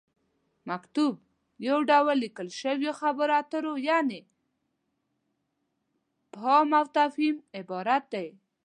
مکتوب: یو ډول ليکل شويو خبرو اترو یعنې فهام وتفهيم څخه عبارت دی